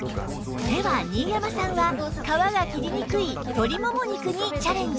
では新山さんは皮が切りにくい鶏もも肉にチャレンジ